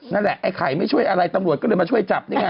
นั่นแหละไอ้ไข่ไม่ช่วยอะไรตำรวจก็เลยมาช่วยจับนี่ไง